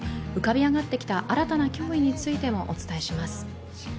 浮かび上がってきた新たな脅威についてもお伝えします。